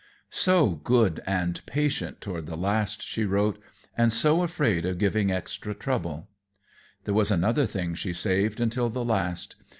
"So good and patient toward the last," she wrote, "and so afraid of giving extra trouble." There was another thing she saved until the last.